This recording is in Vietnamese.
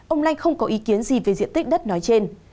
ông lanh không có ý kiến gì về diện tích đất nói trên